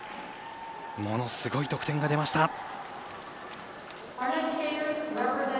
ものすごい得点が出ました。